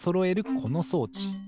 この装置。